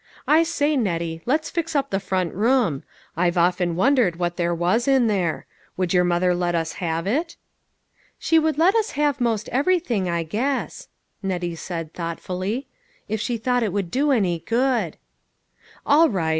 I say, Nettie, let's fix up the front room. I've often wondered what there was in there. Would your mother let us have it?" " She would let us have most everything, I guess," Nettie said thoughtfully, " if she thought it would do any good." "All right.